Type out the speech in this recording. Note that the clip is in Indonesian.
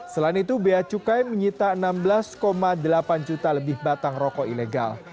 selain itu bea cukai menyita enam belas delapan juta lebih batang rokok ilegal